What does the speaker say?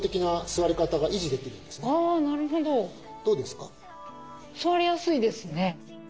座りやすいですね。